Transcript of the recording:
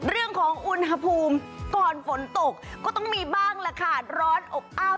เรื่องของอุณหภูมิก่อนฝนตกก็ต้องมีบ้างแหละค่ะร้อนอบอ้าว